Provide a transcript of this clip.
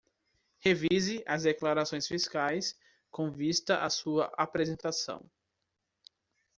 Revise as declarações fiscais com vista à sua apresentação.